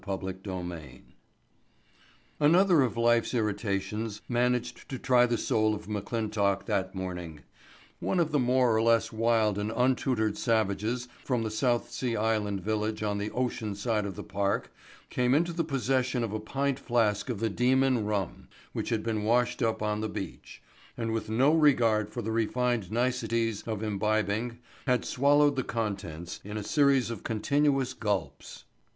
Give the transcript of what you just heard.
Chapter Eight Another of life's irritations managed to try the soul of McClintock that morning. One of the more or less wild and untutored savages from the South Sea Island Village on the ocean side of the park came into the possession of a pint flask of the Demon Rum which had been washed up on the beach, and with no regard for the refined niceties of imbibing had swallowed the contents in a series of continuous gulps.